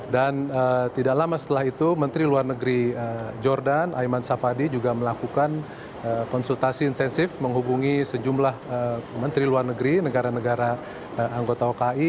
dan tidak lama setelah itu menteri luar negeri jordan aiman safadi juga melakukan konsultasi insensif menghubungi sejumlah menteri luar negeri negara negara anggota oki